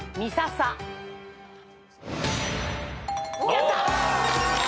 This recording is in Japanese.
やった！